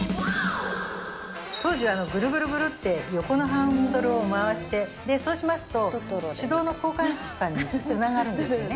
当時はぐるぐるぐるって、横のハンドルを回して、そうしますと、手動の交換手さんにつながるんですよね。